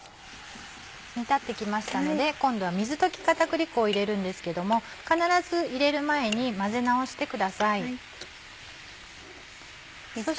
煮立ってきましたので今度は水溶き片栗粉を入れるんですけども必ず入れる前に混ぜ直してください。